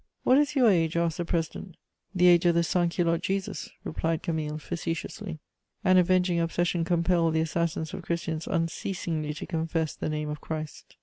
"What is your age?" asked the president. "The age of the Sans Culotte Jesus," replied Camille facetiously. An avenging obsession compelled the assassins of Christians unceasingly to confess the name of Christ.